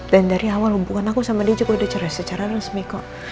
dan dari awal hubungan aku sama dia udah ceria secara resmi ko